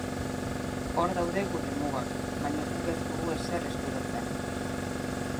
Hor daude gure mugak, baina guk ez dugu ezer ezkutatzen.